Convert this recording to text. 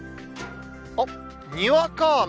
あっ、にわか雨。